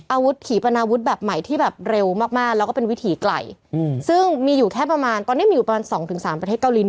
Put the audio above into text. ถุปนาวุฒิแบบใหม่ที่แบบเร็วมากแล้วก็เป็นวิถีไกลซึ่งมีอยู่แค่ประมาณตอนนี้มีอยู่ประมาณ๒๓ประเทศเกาหลี